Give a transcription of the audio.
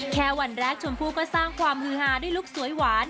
แค่วันแรกชมพู่ก็สร้างความฮือฮาด้วยลุคสวยหวาน